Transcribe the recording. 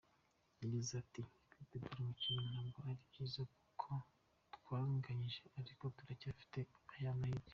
Yagize ati “Ku kwitegura umukino ntabwo ari byiza kuko twanganyije ariko turacyafite ya mahirwe.